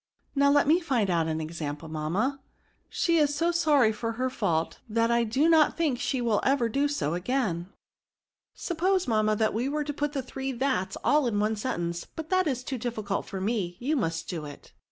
^* Now let me find out an example, mam* ma. * She is so sorry for her &ult, that I do not think she will ever do so again.' Sup pose, mamma, that we were to put the three thats all in one sentence; but that is too difficult for me, you must do it."